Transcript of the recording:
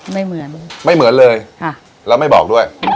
ไม่เหมือนไม่เหมือนเลยค่ะแล้วไม่บอกด้วย